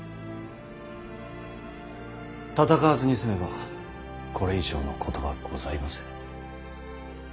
戦わずに済めばこれ以上のことはございません。